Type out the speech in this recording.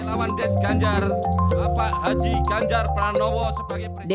mereka datang dari ribuan relawan des ganjar pak haji ganjar pranowo sebagai presiden